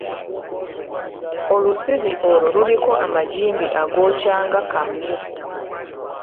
Olusubi olwo luliko amagimbi agookya nga kamyu.